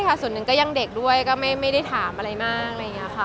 ก็ใช่ค่ะส่วนหนึ่งก็ยังเด็กด้วยก็ไม่ไม่ได้ถามอะไรมากอะไรอย่างเงี้ยค่ะ